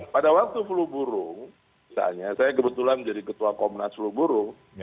pada waktu flu burung misalnya saya kebetulan menjadi ketua komnas flu burung